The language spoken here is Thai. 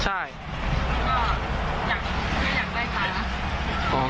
ก็อยากได้ค่ะ